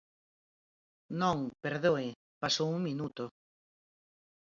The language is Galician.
Non, perdoe, pasou un minuto.